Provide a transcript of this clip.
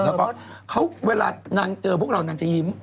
แล้วก็เวลานางเจอพวกเรานางจะยิ้ม